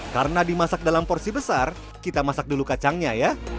karena dimasak dalam porsi besar kita masak dulu kacangnya ya